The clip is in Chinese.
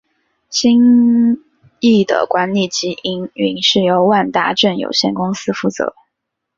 新翼的管理及营运是由万达镇有限公司负责。